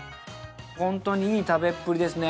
ホントにいい食べっぷりですね。